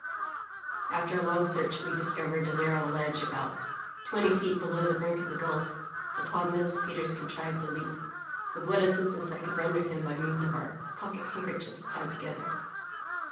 After a long search we discovered a narrow ledge about twenty feet below the brink of the gulf; upon this Peters contrived to leap, with what assistance I could render him by means of our pocket handkerchiefs tied together.